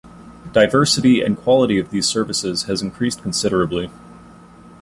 Diversity and quality of these services has increased considerably.